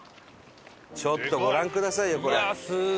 ちょっとご覧くださいよこれ。